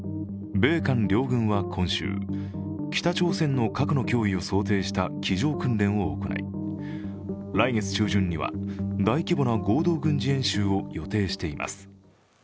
米韓両軍は今週北朝鮮の核の脅威を想定した机上訓練を行い、来月中旬には大規模な合同軍事演習を予定しています。